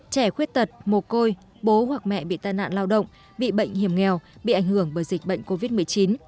trẻ khuyết tật mồ côi bố hoặc mẹ bị tai nạn lao động bị bệnh hiểm nghèo bị ảnh hưởng bởi dịch bệnh covid một mươi chín